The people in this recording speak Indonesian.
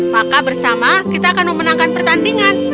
maka bersama kita akan memenangkan pertandingan